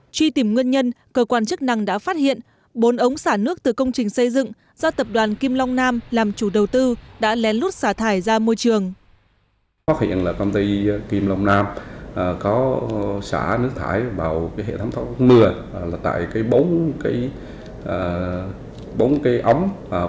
truy tìm nguyên nhân cơ quan chức năng đã phát hiện bốn ống xả nước từ công trình xây dựng do tập đoàn kim long nam làm chủ đầu tư đã lén lút xả thải ra môi trường